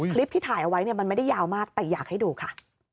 คลิปที่ถ่ายเอาไว้เนี่ยมันไม่ได้ยาวมากแต่อยากให้ดูค่ะ